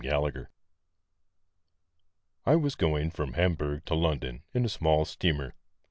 ON THE SEA I WAS going from Hamburg to London in a small steamer.